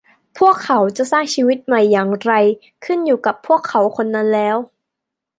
พวกเขาจะสร้างชีวิตใหม่อย่างไร ขึ้นอยู่กับ พวกเขาคนนั้นแล้ว